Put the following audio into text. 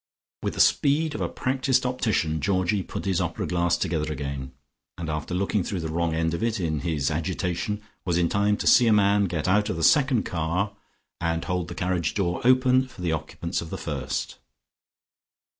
With the speed of a practised optician Georgie put his opera glass together again, and after looking through the wrong end of it in his agitation was in time to see a man get out of the second car, and hold the carriage door open for the occupants of the first.